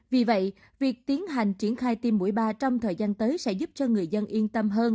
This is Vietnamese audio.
vì vậy việc tiến hành triển khai tiêm mũi ba trong thời gian tới sẽ giúp cho người dân yên tâm hơn